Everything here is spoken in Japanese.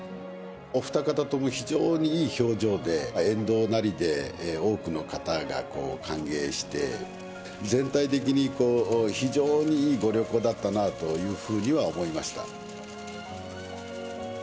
お二方とも非常にいい表情で沿道なりで多くの方が歓迎して、全体的に非常にいいご旅行だったなというふうには思いました。